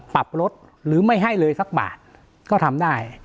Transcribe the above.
ปรับลดหรือไม่ให้เลยสักบาทก็ทำได้